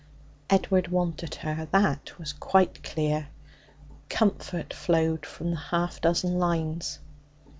Edward wanted her, that was quite clear. Comfort flowed from the half dozen lines.